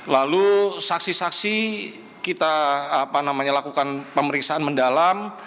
lalu saksi saksi kita lakukan pemeriksaan mendalam